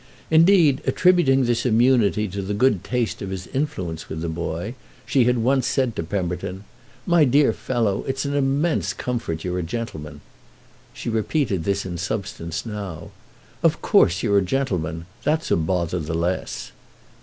Indeed, attributing this immunity to the good taste of his influence with the boy, she had once said to Pemberton "My dear fellow, it's an immense comfort you're a gentleman." She repeated this in substance now. "Of course you're a gentleman—that's a bother the less!"